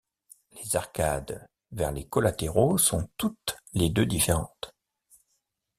Les arcades vers les collatéraux sont toutes les deux différentes.